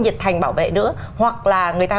nhiệt thành bảo vệ nữa hoặc là người ta